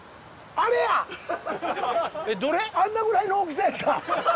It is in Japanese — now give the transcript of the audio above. あんなぐらいの大きさやった。